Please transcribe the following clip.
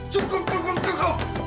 cukup cukup cukup